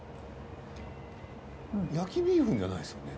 焼きビーフンじゃないですよね。